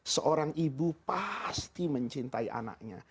seorang ibu pasti mencintai anaknya